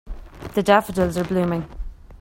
The daffodils are blooming.